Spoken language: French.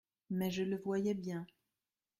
Mais je le voyais bien.